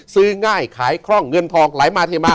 ซื้อง่ายขายคล่องเงินทองไหลมาเทมา